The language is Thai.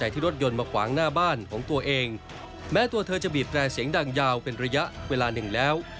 ที่บีบแปลเสียงดังยาวเป็นระยะเวลาหนึ่งแล้ว